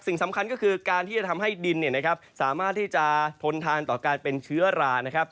สิ่งสำคัญก็คือการที่จะทำให้ดินสามารถที่จะทนทานต่อการเป็นเชื้อรานะครับ